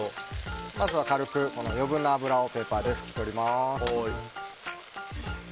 まずは軽く余分な油をペーパーで拭き取ります。